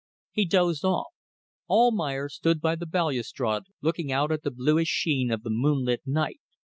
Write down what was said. He dozed off. Almayer stood by the balustrade looking out at the bluish sheen of the moonlit night.